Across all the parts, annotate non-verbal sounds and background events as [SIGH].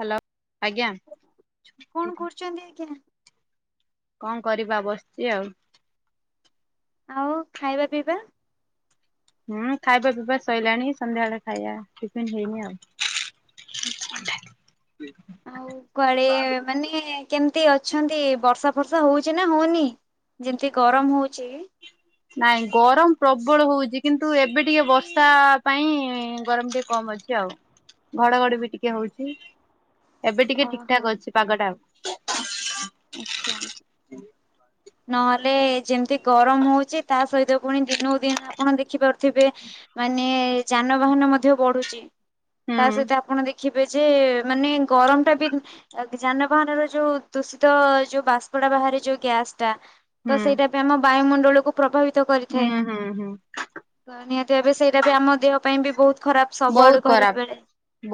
Hello ଆଜ୍ଞା। ଛନ୍ତି କିଆଁ କଣ କରିବା ବସିଛି ଆଉ। ଆଉ ଖାଇବା ପିଇବା। ହୁଁ ଖାଇବା ପିଇବା ସଇଲାଣି ସନ୍ଧ୍ୟାବେଳେ ଖାଇବା ଟିଫିନ ହେଇନି ଆଉ। ଆଛା ଆଉ କୁଆଡେ ମାନେ କେମତି ଅଛନ୍ତି ବର୍ଷା ଫର୍ଷା ହଉଛି ନା ହଉନି ଯେମତି ଗରମ ହଉଛି। ହଁ ନାଇଁ ଗରମ ପ୍ରବଳ ହଉଛି କିନ୍ତୁ ଏବେ ଟିକେ ବର୍ଷା ପାଇଁ ଗରମ ଟିକେ କମ ଅଛି। ଆଉ ଘଡଘଡ ବି ଟିକେ ହଉଛି ଏବେ ଟିକେ ଠିକ ଓହୋ ଠାକ୍ ଅଛି ପାଗଟା ଆଉ। ଆଚ୍ଛା। ନହେଲେ ଯେମିତି ଗରମ ହଉଛି ତା ସହିତ ପୁଣି ଦିନକୁ ଦିନ ଆପଣ ଦେଖିପାରୁଥିବେ ମାନେ ଯାନବାହାନ ମଧ୍ୟ ବଢୁଛି ହୁଁ। ତା ସହିତ ଆପଣ ଦେଖ ଦେଖିବେ ଯେ ମାନେ ଗରମ ଟା ବି ଯାନବାହାନ ର ଯୋଉ ଦୂଷିତ ଯୋଉ ବାଷ୍ପଟା ବାହାରେ ଯୋଉ ଗ୍ୟାସ ଟା ହୁଁ ତ ସେଇଟା ବି ଆମ ବାୟୁମଣ୍ଡଳକୁ ପ୍ରଭାବିତ ହୁଁ କରିଥାଏ। ହୁଁ ହୁଁ ନିହାତିଭାବେ ସେଇଟା ବି ଆମ ଦେହ ପାଇଁ ବି ବହୁତ ଖରାପ ବହୁତ ସବୁଆଡୁ କହିଲା ଖରାପ ବେଳେ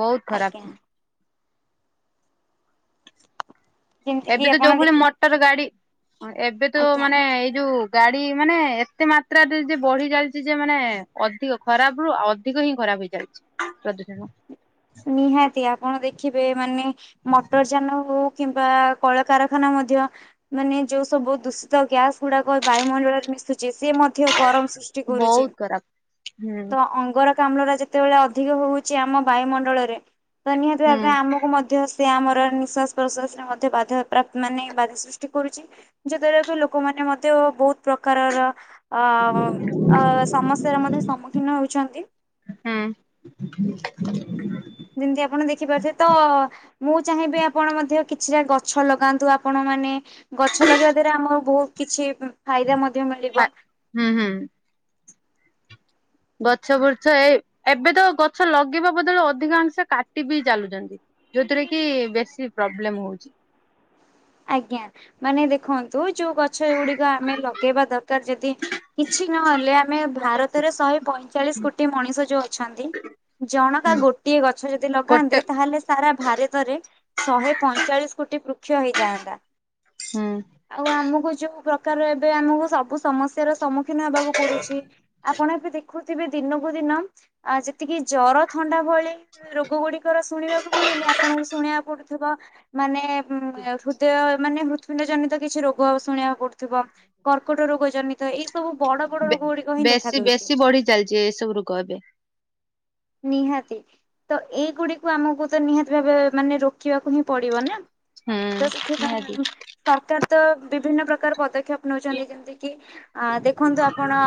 ବହୁତ ଖରାପ। ଆଜ୍ଞା। ଯେମିତି ଏବେ କିି ତ ଯୋଉ ଆପଣ ଭଳି ଦେଖି ମଟର ଗାଡି ଏବେ ତ ଆଜ୍ଞା ମାନେ ଏଇ ଯୋଉ ଗାଡି ମାନେ ଏତେ ମାତ୍ରାରେ ଯେ ବଢି ଚାାଲିଛି ଯେ ମାନେ ଅଧିକ ଖରାପ ରୁ ଆ ଅଧିକ ହିଁ ଖରାପ ହେଇଚାଲିଛି। ପ୍ରଦୂଜନ ନିହାତି ଆପଣ ଦେଖିବେ ମାନେ ମଟର ଯାନ ହଉ କିମ୍ବା କଳକାରଖାନା ମଧ୍ୟ ମାନେ ଯୋଉ ସବୁ ଦୂଷିତ ଗ୍ୟାସ ଗୁଡାକ ବାୟୁମଣ୍ଡଳରେ ମିସୁ ଯେ ସେ ମଧ୍ୟ ଗରମ ସୃଷ୍ଟି କରୁଛି। ବହୁତ ଖରାପ ହୁଁ ତ ଅଙ୍ଗର କାମ୍ଳ ଯେତେବେଳେ ଅଧିକ ହଉଛି ଆମ ବାୟୁମଣ୍ଡଳରେ ତ ନିହାତି ହୁଁ ଭାବେ ଆମକୁ ମଧ୍ୟ ସେ ଆମର ନିଃଶ୍ୱାସ ପ୍ରଶ୍ୱାସରେ ମଧ୍ୟ ବାଧାପ୍ରାପ୍ ମାନେ ବାଧା ସୃଷ୍ଟି କରୁଛି। ଯେତେବେବି ଲୋକମାନେେ ମଧ୍ୟ ବହୁତ ପ୍ରକାରର ଅ ସମସ୍ୟାର ମଧ୍ୟ ସମ୍ମୁଖୀନ ହଉଛନ୍ତି। ହଁ। ଯେମତି ଆପଣ ଦେଖିପାରୁଥିବେ ତ ମୁଁ ଚାହିଁବି ଆପଣ ମଧ୍ୟ କିଛିଟା ଗଛ ଲଗାନ୍ତୁ ଆପଣ ମାନେ ଗଛ ଲଗେଇବା ଦ୍ଵାରା ଆମର ବହୁତ କିଛି ଫାଇଦା ମଧ୍ୟ ମିଳିବ। ହୁଁ ହୁଁ। ଗଛ ବୃଛ ଏ ଏବେ ତ ଗଛ ଲଗେଇବା ବଦଳ ଅଧିକାଂଶ କାଟି ବିି ଚାଲୁଛନ୍ତି। ଯୋଉଥିରେ କି ବେଶୀ ପ୍ରୋବ୍ଲେମ ହଉଛି। ଆଜ୍ଞା ମାନେ ଦେଖନ୍ତୁ ଯୋଉ ଗଛ ଗୁଡିକ ଆମେ ଲଗେଇବା ଦରକାର ଯଦି କିଛି ନହେଲେ ଆମେ ଭାରତରେ ଶହେ ପଇଁଚାଳିଶ କୋଟି ମଣିଷ ଯୋଉ ଅଛନ୍ତି। ଜଣକା ଗୋଟିଏ ଗଛ ଯଦି ଗୋଟେ ଲଗାନ୍ତେ ତାହେଲେ ସାରା ଭାରତରେ ଶହେ ପଇଁଚାଳିଶ କୋଟି ବୃକ୍ଷ ହେଇଯାଆନ୍ତା। ହୁଁ। ଆଉ ଆମକୁ ଯୋଉ ପ୍ରକାର ଏବେ ଆମକୁ ସବୁ ସମସ୍ୟ ର ସମ୍ମୁଖୀନ- ଦନ ହେବାକୁ ପଡୁଛି ଆପଣ ଏବେ ଦେଖ ଦେଖୁଥିବେ ଦିନକୁ ଦିନ ଆ ଯେତିକି ଜର ଥଣ୍ଡା ଭ ରୋଗ ଗୁଡିକର ଶୁଣିବାକୁ ମିଳୁନି ଆପଣଙ୍କୁ ଶୁଣିବାକୁ ପଡୁଥିବ ମାନେ ହୃଦୟ ମାନେ ହୃତ୍ୟୁଣ୍ଡ ଜନିତ କିଛି ରୋଗ ଶୁଣିବାକୁ ପଡୁ ଥିବା କର୍କଟ ରୋଗ ଜନିତ ଏଇ ସବୁ ବଡ ବଡ ରୋଗ ଗୁଡିକ ହିଁ ଦେଖା ବେଶୀ ଦଉଛି। ବେଶୀ ବଢି ଚାଲିଛି ଏସବୁ ରୋଗ ଏବେ। ନିହାତି ତ ଏଇଗୁଡିକୁ ଆମକୁ ତ ନିହାତି ଭାବେ ମାନେ ରୋକିବାକୁ ହିଁ ପଡିବ ନା। ହୁଁ ତ ନିହାତି ସେଥିପାଇଁ ସରକାର ତ ବିଭିନ୍ନ ପ୍ରକାର ପଦକ୍ଷେପ- ନଉଛନ୍ତି ଯେମିତି କିି ଆ ଦେଖନ୍ତୁ ଆପଣ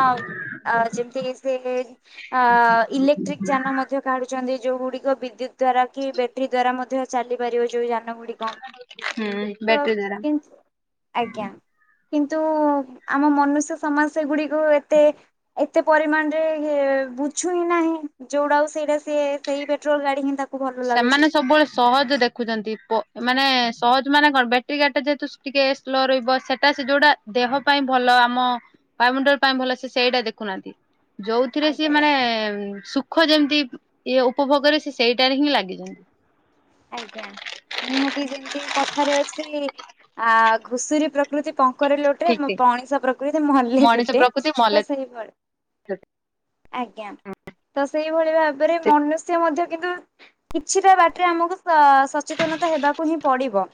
ଯେମିତି ସେ ଅ ଲେ ଯାନ ମଧ୍ୟ କାଢୁଛନ୍ତି ଯୋଉ ଗୁଡିକ ବିଦ୍ୟୁତ ଦ୍ଵାରା କି ବ୍ୟାଟେରୀ ଦ୍ଵାରା ମଧ୍ୟ ଚାଲି ପାରିବ ଯୋଉ ଯାନ ଗୁଡିକ। ହୁଁ ବ୍ୟାଟେରୀ ଦ୍ଵାରା କି ଆଜ୍ଞା। କିନ୍ତୁ ଆମ ମନୁଷ୍ୟ ସମାଜ ସେଗୁଡିକୁ ଏତେ ଏତେ ପରିମାଣ ରେ ବୁଝୁ ହିଁ ନାହିଁ। ଯୋଉଟାକୁ ସେଇଟା ସିଏ ସେଇ ପେଟ୍ରୋଲ ଗାଡି଼ ହିଁ ତା ସେମାନେ ସବୁବେଳେ ସହଜ ଦେଖ ରଖୁଛନ୍ତି ମାନେ ସହଜ ମାନେ କଣ ବ୍ୟାଟେରୀ ଗାା ଯେହେତୁ ଟିକେ ସ୍ଲୋ ରହିବ ସେଟା ସେ ଯୋଉଟା ଦେହ ପାଇଁ ଭଲ ଆମ ବାୟୁମଣ୍ଡଳ ପାଇଁ ଭଲ ସେ ସେଇଟା ଦେଖୁନାହାନ୍ତି। ଯୋଉଥିରେ ସିଏ ଆଜ୍ଞା ମାନେ ସୁଖ ଯେମିତି ଇଏ ଉପଭୋଗରେ ସେ ସେଇଟାରେ ହିଁ ଲାଗିଛନ୍ତି। ଆଜ୍ଞା ନିହାତି ଯେମିତି କଥାରେ ଅଛି ଆ ଘୁଷୁରୀ ପ୍ର ପ୍ରକୃତି ପଙ୍କରେ ଲୋଟେ ଠିକ ଠିକ ମଣିସ ପ୍ରକୃତି ମଲେ ମଣିଷ ତୁଟେ ପ୍ରକୃତି ମଲେ ତ ସେଇଭଳି। ଆଜ୍ଞା ତ ସେଇଭଳି ଭାବରେ ମନୁଷ୍ୟ ମଧ୍ୟ କିନ୍ତୁ କିଛିଟା ବାଟରେ ଆମକୁ ସଚେତନତା ହେବାକୁ ହିଁ ପଡି଼ବ।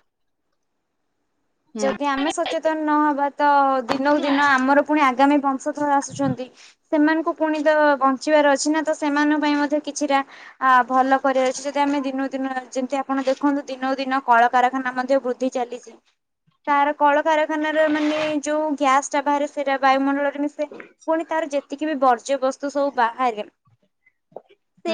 ହୁଁ ଯଦି ଆମେ ସଚେତନ ନହବା ତ ଦିନକୁ ଦିନ ଆମର ପୁଣି ଆଗାମୀ ବଂଶଧର ଆସୁଛନ୍ତି। ସେମାନଙ୍କୁ ପୁଣି ତ ବଞ୍ଚିବାର ଅଛି ନା ତ ସେମାନଙ୍କ ପାଇଁ ମଧ୍ୟ କିଛିଟା ଭଲ କରିବାର ଅଛି ଯି ଆମେ ଦିନକୁ ଦିନ ଯେମିତି ଆପଣ ଦେଖନ୍ତୁ ଦିନକୁ ଦିନ କଳକାରଖାନା ମଧ୍ୟ ବୃଦ୍ଧି ଚାଲିଛି। ତାର କଳକାରଖାନ ର ମାନେ ଯୋଉ ଗ୍ୟାସ୍ ଟା ବାହାରେ ସେଇଟା ବାୟୁମଣ୍ଡଳରେ ମି ପୁଣି ତାର ଯେତିକି ବି ବର୍ଜ୍ୟ ବସ୍ତୁ ସବୁ ବାହାରେ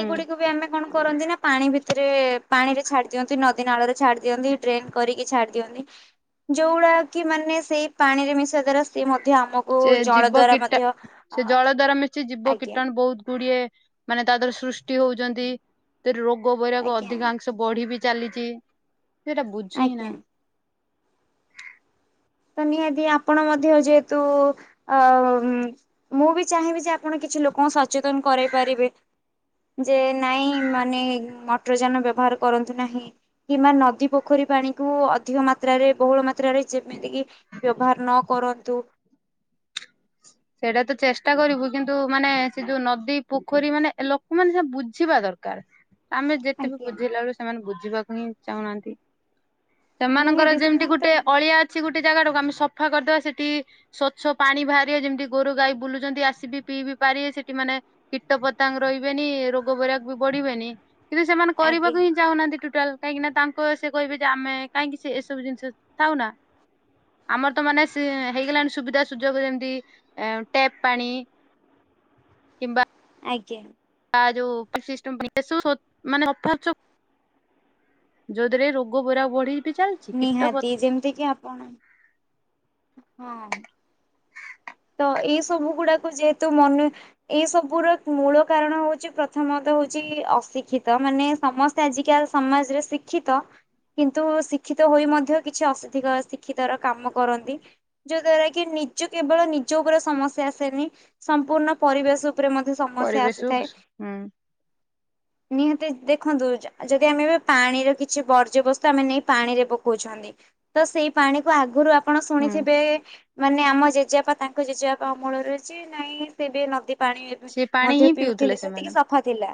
ହୁଁ ବି ଆମେ କଣ। କରନ୍ତି ନା ପାଣି ଭିତରେ ପାଣିରେ ଛାଡି଼ ଦିଅନ୍ତି ନଦୀ ନାଳରେ ଛାଡି଼ ଦିଅନ୍ତି ଡ୍ରେନ କରିକି ଛାଡି଼ ଦିଅନ୍ତି। ଯୋଉ ଗୁଡା କି ମାନେ ସେଇ ପାଣି ରେ ମିଶିବା ଦ୍ଵାରା ସେ ମଧ୍ୟ ଆମ ସେ ଜୀବ କୀଟା ସେ ଜଳ ଦ୍ଵାରା ମିଶି ଜୀବ ଆଜ୍ଞା କୀଟାଣୁ ବହୁତ ଗୁଡି଼ଏ ମାନେ ତା ଦେହରେ ସୃଷ୍ଟି ହଉଛନ୍ତି ରୋଗ ବୈରାଗ ଆଜ୍ଞା ଅଧିକାଂଶ। ବଢି଼ ବି ଚାଲିଛି ସେଇଟା ବୁଝି ହି ଆଜ୍ଞା ନାହାନ୍ତି। ତ ନିହାତି ଆପଣ ମଧ୍ୟ ଯେହେତୁ ଅ ମୁଁ ବି ଚାହିଁବି ଯେ ଆପଣ କିଛି ଲୋକଙ୍କୁ ସଚେତନ କରାଇ ପାରିବେ। ଯେ ନାଇଁ ମାନେ ମଟରଯାନ ବ୍ୟବହାର କରନ୍ତୁ ନାହିଁ। କିମ୍ବା ନଦୀ ପୋଖରୀ ପାଣିକୁୁ ଅଧିକ ମାତ୍ରାରେ ବହୁଳ ମ ତ୍ରାରେ ଯେମିତିକି ବ୍ୟବହାର ନ କରନ୍ତୁ। ସେଇଟା ତ ଚେଷ୍ଟା କରିବୁ କିନ୍ତୁ ମାନେ ସେ ଯୋଉ ନଦୀ ପୋଖରୀ ମାନେ ଲୋକମାନେ ସେ ବୁଝିବା ଦରକାର। କାର୍ ଆମେ ଯେତେ ବି ଆଜ୍ଞା ବୁଝେଇଲା ବେଳୁ ସେମାନେ ବୁଝିବାକୁ ହିଁ ଚାହୁଁନାହାନ୍ତି। ସେମାନଙ୍କର ନିହାତି ଯେମିତି ସେମାନେ ତ ଗୋଟେ ଅଳିଆ କିଛି ଗୋଟେ ଜାଗାଟାକୁ ଆମେ ସଫା କରିଦବା ସେଠି ସ୍ଵଚ୍ଛ ପାଣି ବାହାରିବ ଯେମିତି ଗୋରୁ ଗାଈ ବୁଲୁଛନ୍ତି ଆସିବି ପିଇବି ପାରିବେ ସେଠି ମାନେ କୀଟ ପତାଙ୍ଗ ରହିବେନି ରୋଗ ବୈରାଗ ବି ବଢି଼ବେନି କିନ୍ତୁ ସେମାନେ ଆଜ୍ଞା କରିବାକୁ ହିଁ ଚାହୁଁନାହାନ୍ତି ଟୁଟାଲ କାହିଁକି ନା ତାଙ୍କ ସେ କହିବେ ଯେ ଆମେ କାହିଁକି ସେ ଏସବୁ ଜିନିଷ ଥାଉ ନା ଆମର ତ ମାନେ ହେଇଗଲାଣି ସୁବିଧା ସୁଯୋଗ ଯେମିତି ଟେପ୍ ପାଣି କିମ୍ବା ଆଜ୍ଞା। [UNINTELLIGIBLE] ଯୋଉାନେ ଯୋ ଦ୍ବାରା ରୋଗ ବୈରାଗ ବଢିି଼ ବି ଚାଲ୍ ନିହାତି ଯେମିତି କିି ଆପଣ ହଁ ତ ଏଇ ସବୁ ଗୁଡ଼ାକୁ ଯେହେତୁ ମନୁ ଏଇ ସବୁର ମୂଳ କାରଣ ହଉଛି ପ୍ରଥମତଃ ହଉଛି ଅଶିକ୍ଷିତ ମାନେ ସମସ୍ତ ଆଜିକାଲ ସମାଜରେ ଶିକ୍ଷିତ। କିନ୍ତୁ ଶିକ୍ଷିତ ହୋଇ ମଧ୍ୟ କିଛି ଅସଧିକ ଶିକ୍ଷିତ ର କାମ କରନ୍ତି। ଯୋଉ ଦ୍ଵାରା କି ନିଜ କେବଳ ନିଜ ଉପରେ ସମସ୍ୟା ଆସେନି ସମ୍ପୂର୍ଣ୍ଣ ପରିବେଶ ଉପରେ ମଧ୍ୟ ସମସ୍ୟା ପରିବେଶକୁ ଆସିଥାଏ ହୁଁ ନିହାତି ଦେଖନ୍ତୁ। ଆଉ ଯଦି ଆମେ ଏବେ ପାଣିର କିଛି ବର୍ଜ୍ୟବସ୍ତୁ ଆମେ ନେଇ ପାଣି ରେ ପକଉଛନ୍ତି। ତ ସେଇ ପାଣିକୁ ଆଗରୁ ଆପଣ ହୁଁ ଶୁଣିଥିବେ ମାନେ ଆମ ଜେଜେପା ତାଙ୍କ ଜେଜେବାପା ଅମଳ ରହିଛି ନାଇଁ ସେ ବି ନଦୀ ପାଣି ସେ ପାଣି ମଧ୍ୟ ହିଁ ପିଉଥିଲେ ସେମାନେ ସେତିକି ସଫା ଥିଲା।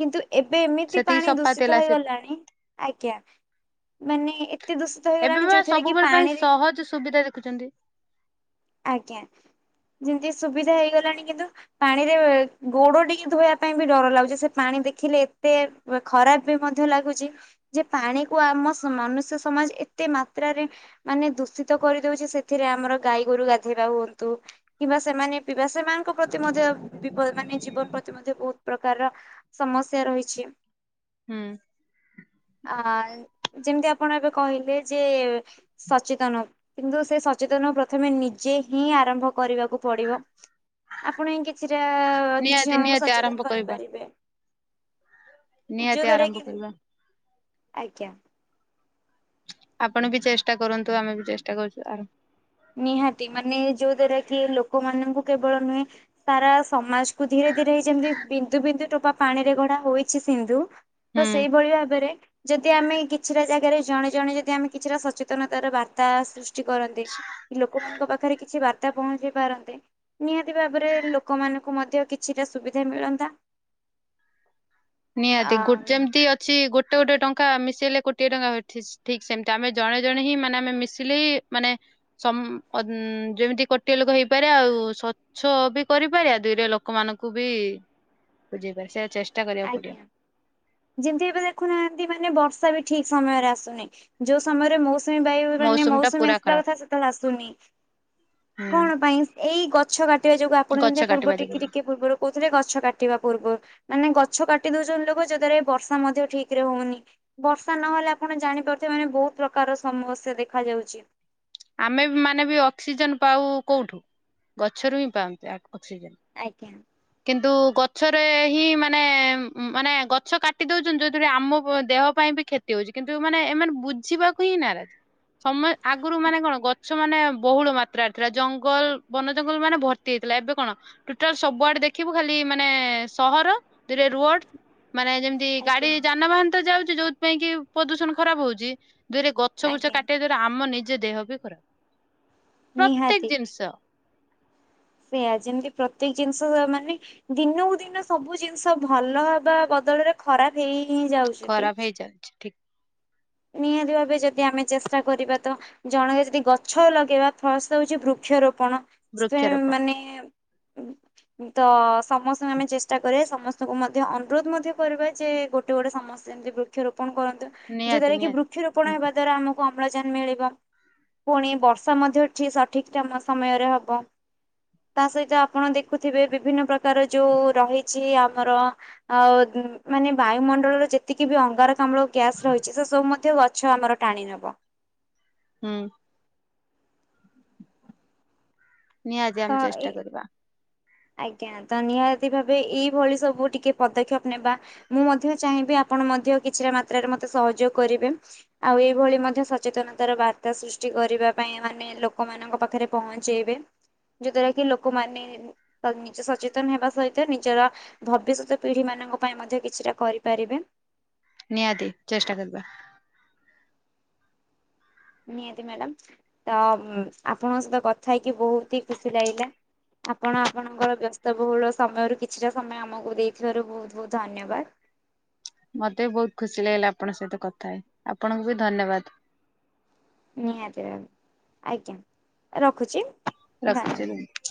କିନ୍ତୁ ଏବେ ଏମିତି ସେତିକି ପାଣି ସଫା ଦୂଷିତ ଥିଲା ସେ ହେଇଗଲାଣି ଆଜ୍ଞା। ମାନେ ଏତେ ଦୂଷିତ ଏବେ ହେଇଗଲାଣି ବା ଯୋଉଥିରେ କି ସବୁବେଳେ ପାଣି ପାଇଁ ସହଜ ସୁବିଧା ଦେଖୁଛନ୍ତି। ଆଜ୍ଞା ଯେମିତି ସୁବିଧା ହେଇଗଲାଣି କିନ୍ତୁ ପାଣିରେ ଗୋଡ଼ ଟିକେ ଧୋଇବା ପାଇଁ ବି ଡର ଲାଗୁଛି ସେ ପାଣି ଦେଖିଲେ ଏତେ ଖରାପ୍ ବି ମଧ୍ୟ ଲାଗୁଛି ଯେ ପାଣିକୁ ଆମ ମନୁଷ୍ୟ ସମାଜ ଏତେ ମାତ୍ରାରେ ମାନେ ଦୂଷିତ ତ କରିଦଉଛି ସେଥିରେ ଆମର ଗାଈ ଗୋରୁ ଗାଧୋଇବା ହୁଅନ୍ତୁ କିମ୍ବା ସେମାନେ ବିବାସାୟୀ ମାନଙ୍କ ପ୍ରତି ମଧ୍ୟ ବିପଦ ମାନେ ଜୀବନ ପ୍ରତି ମଧ୍ୟ ବହୁତ ପ୍ରକାରର ସମସ୍ୟା ରହିଛି। ହୁଁ। ଆ ଯେମିତି ଆପଣ ଏବେ କହିଲେ ଯେ ସଚେତନ କିନ୍ତୁ ସେ ସଚେତନ ପ୍ରଥମେ ନିଜେ ହିଁ ଆରମ୍ଭ କରିବାକୁ ପଡିବ ଆପଣ କିଛିଟା କିଛି ନିହାତି ଜଣଙ୍କୁ ନିହାତି ସଚେତନ ଆରମ୍ଭ କରିବା କରିପାରିବେ ଯୋଉ ନିହାତି ଦ୍ଵାରା ଆରମ୍ଭ କି କରିବା ଆଜ୍ଞା। ଆପଣ ବି ଚେଷ୍ଟା କରନ୍ତୁ ଆମେ ବି ଚେଷ୍ଟା କରୁଛୁ ଆ ନିହାତି ମାନେ ଯୋଉ ଦ୍ଵାରା କି ଲୋକମାନଙ୍କୁ କେବଳ ନୁହେଁ ଦ୍ୱାରା ସମାଜକୁ ଧୀରେ ଧୀରେ ଯେମିତି ବିନ୍ଦୁ ବିନ୍ଦୁ ଟୋପା ପାଣିରେ ଗଢ଼ା ହୋଇଛି ସିନ୍ଧୁ ତ ହୁଁ ସେଇଭଳି ଭାବରେ ଯଦି ଆମେ କିଛିଟା ଜାଗାରେ ଜଣେ ଜଣେ ଯଦି ଆମେ କିଛିଟା ସଚେତନତାର ବାର୍ତ୍ତା ସୃଷ୍ଟି କରନ୍ତି। କି ଲୋକମାନଙ୍କ ପାଖରେ କିଛି ବାର୍ତ୍ତା ପହଞ୍ଚି ପାରନ୍ତେ। ନିହାତି ଭାବରେ ଲୋକମାନଙ୍କୁ ମଧ୍ୟ କିଛିଟା ସୁବିଧା ମିଳନ୍ତା। ଆ ନିହାତି ଯେମିତି ଅଛି ଗୋଟେ ଗୋଟେ ଟଙ୍କା ମିଶେଇଲେ କୋଟିଏ ଟଙ୍କା ଠିକ ସେମତି ଆମେ ଜଣେ ଜଣେ ହିଁ ମାନେ ଆମେ ମିଶିଲେ ହିଁ ମାନେ ଯେମିତି କୋଟିଏ ଲୋକ ହେଇପାରେ ଆଉ ଗଛ ବି କରିପାର ଆ ଦୁଇରେ ଲୋକମାନଙ୍କୁ ବି ବୁଝେଇ ପାର ସେ ଚେଷ୍ଟା କରି ଆଜ୍ଞା ଯେମିତି ଏବେ ଦେଖୁନାହାନ୍ତି ମାନେ ବର୍ଷା ବି ଠିକ ସମୟରେ ଆସୁନି ଯୋଉ ସମୟରେ ମୋ ମୌସୁମୀ ବାୟୁ ମାନେ ଟା ମୌସୁମୀ ପୁରା ଆସିବା ଖରାପ କଥା ସେତେବେଳେ ଆସୁନି କଣ ହୁଁ ପାଇଁ ଏଇ ଗଛ କାଟିବା ଯୋଗୁ ଆପଣ ଗଛ ଯେମିତି ପୂର୍ବ କାଟିବା ଟିକେ ଯୋଗୁରୁ ଟିକେ ପୂର୍ବରୁ କହୁଥିଲେ ଗଛ କାଟିବା ପୂର୍ବରୁ ମାନେ ଗଛ କାଟି ଦଉଛନ୍ତି ଲୋକ ଯାହା ଦ୍ଵାରା ବର୍ଷା ମଧ୍ୟ ଠିକ ରେ ହଉନି। ବର୍ଷା ନହେଲେ ଆପଣ ଜାଣିପାରୁଥିବେ ମାନେ ବହୁତ ପ୍ରକାର ସମସ୍ୟା ଦେଖା ଯାଉଛି। ଆମେ ମାନେ ବି ଅକ୍ସିଜେନ ପାଉ କୋଉଠୁ ଗଛରୁ ହିଁ ପାଉନ୍ତୁ ଅକ୍ସିଜେନ। ଆଜ୍ଞା। କିନ୍ତୁ ଗଛରେ ହିଁ ମାନେ ମାନେ ଗଛ କାଟି ଦଉଛନ୍ତି ଯୋଉଥିରେ ଆମ ଦେହ ପାଇଁ ବି କ୍ଷତି ହଉଛି କିନ୍ତୁ ମାନେ ଏମାନେ ବୁଝିବାକୁ ହିଁ ନାରାଜ ସମ୍ ଆଗରୁ ମାନେ କଣ ଗଛ ମାନେ ବହୁଳ ମାତ୍ରାରେ ଥିଲା ଜଙ୍ଗଲ ବନ ଜଙ୍ଗଲ ମାନେ ଭର୍ତ୍ତି ହେଇଥିଲା ଏବେ କଣ? ଟୋଟାଲ ସବୁଆଡେ ଦେଖିବୁ ଖାଲି ମାନେ ସହର ଦ ରୋଡ ମାନେ ଯେମତି ଯୋଉ ଗାଡି ଆଜ୍ଞା ଯାନବାହାନ ତ ଯାଉଛି ଯୋଉଥି ପାଇଁ କି ପ୍ରଦୂଷଣ ଖରାପ ହଉଛି ଦୁଇରେ ଗଛ ବୁଛ ଆଜ୍ଞା କା ଆମ ନିଜ ଦେହ ବି ଖରାପ। ପ୍ରତ୍ୟେକ ନିହାତି। ଜିନିଷ ସେଇଆ ଯେମିତି ପ୍ରତ୍ୟେକ ଜିନିଷ ମାନେ ଦିନକୁ ଦିନ ସବୁ ଜିନିଷ ଭଲ ହେବା ବଦଳରେ ଖରାପ ହେଇ ହିଁ ଯାଉଛନ୍ତି। ଖରାପ ହେଇଯାଉଛି ଠିକ। ନିହାତି ଭାବେ ଯଦି ଆମେ ଚେଷ୍ଟା କରିବା ତ ଜଣକ ଯଦି ଗଛ ଲଗେଇବା ଭଲସେ ହଉଛି ବୃକ୍ଷରୋପଣ ବୃକ୍ଷରୋପଣ ମାନେ ତ ସମସ୍ତଙ୍କୁ ଆମେ ଚେଷ୍ଟା କ ସମସ୍ତ ତାକୁ ମଧ୍ୟ ଅନୁରୋଧ ମଧ୍ୟ କରିବା ଯେ ଗୋଟେ ଗୋଟେ ସମସ୍ତେ ଯେମିତି ବୃକ୍ଷରୋପଣ କରନ୍ତୁ। ଯୋଉ ନିହାତି ଦ୍ଵାରା କି ନିହାତି। ବୃକ୍ଷ ହୁଁ ରୋପଣ ହେବା ଦ୍ଵାରା ଆମ ଅମ୍ଳଜାନ ମିଳିବ ପୁଣି ବର୍ଷା ମଧ୍ୟ ସଠିକ ସମୟରେ ହବ। ତା ସହିତ ଆପଣ ଦେଖୁଥିବେ ବିଭିନ୍ନ ପ୍ରକାର ଯୋଉ ରହିଛି ଆମର ଆଉ ମାନେ ବାୟୁମଣ୍ଡଳର ଯେତିକି ବି ଅଙ୍ଗାରକାମ୍ଳ ଗ୍ୟାସ ରହିଛି ସେ ସବୁ ମଧ୍ୟ ଗଛ ଆମର ଟାଣି ନେବ ହଁ। ନିହାତି ତ ଆମେ ଏଇ ଚେଷ୍ଟା କରିବା। ଆଜ୍ଞା ତ ନିହାତି ଭାବେ ଏଇଭଳି ସବୁ ଟିକେ ପଦକ୍ଷେପ ନେବା। ମୁଁ ମଧ୍ୟ ଚାହିଁବି ଆପଣ ମଧ୍ୟ କିଛିଟା ମାତ୍ରାରେ ମତେ ସହଯୋଗ କରିବେ ଆଉ ଏଇଭଳି ମଧ୍ୟ ସଚେତନତାର ବାର୍ତ୍ତା ସୃଷ୍ଟି କରିବା ପାଇଁ ମାନେ ଲୋକମାନେ ତାଙ୍କ ପାଖରେ ପହଞ୍ଚେଇବେ। ଯୋ ଦ୍ଵାରା କି ଲୋକମାନେ ନିଜେ ସଚେତନ ହେବା ସହିତ ନିଜର ଭବିଷ୍ୟତ ପିଢି ମାନଙ୍କ ପାଇଁ ମଧ୍ୟ କିଛିଟା କରିପାରିବେ। ନିହାତି ଚେଷ୍ଟା କରିବା। ନିହାତି ମ୍ୟାଡ଼ାମ ତ ଆପଣଙ୍କ ସହିତ କଥା ହେଇକି ବୋହୁତହି ଖୁସି ଲାଗିଲା। ଆପଣ ଆପଣଙ୍କର ବ୍ୟସ୍ତବହୁଳ ସମୟରୁ କିଛିଟା ସମୟ ଆମକୁ ଦେଇଥିବାରୁ ବୋହୁତ ବୋହୁତ ଧନ୍ୟବାଦ। ମତେ ବି ବୋହୁତ ଖୁସି ଲାଗିଲା ଆପଣଙ୍କ ସହିତ କଥା ଆପଣଙ୍କୁ ବି ଧନ୍ୟବାଦ। ନିହାତି ଭାବେ ଆଜ୍ଞା ରଖୁଚି। ରଖୁଚି ଏବେ ମୁଁ।